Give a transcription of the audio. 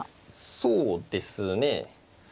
そうですね。